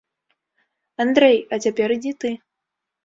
Андрэй, а цяпер ідзі ты.